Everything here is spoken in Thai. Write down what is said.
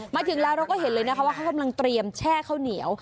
มาถึงแล้วเราก็เห็นเลยนะคะว่าเขากำลังเตรียมแช่ข้าวเหนียว